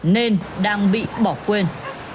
nên đang bị bỏ quên